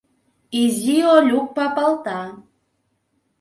Изи Олюк папалта